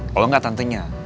kalo ga tantenya